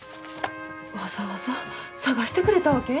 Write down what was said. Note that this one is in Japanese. わざわざ探してくれたわけ？